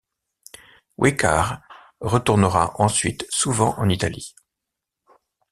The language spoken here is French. Wicar retournera ensuite souvent en Italie.